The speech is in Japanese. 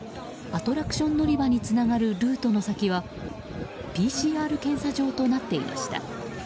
アトラクション乗り場につながるルートの先はＰＣＲ検査場となっていました。